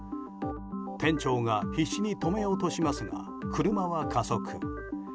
店長が必死に止めようとしますが車は加速。